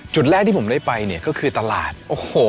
จุดแรกที่ผมได้ไปเนี่ยก็คือตลาดโอ้โห